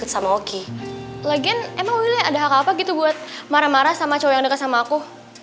sama oki lagian emang willy ada hak apa gitu buat marah marah sama cowok yang dekat sama aku